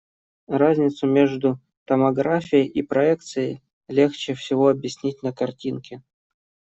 Разницу между томографией и проекцией легче всего объяснить на картинке.